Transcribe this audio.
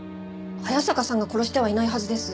早坂さんが殺してはいないはずです。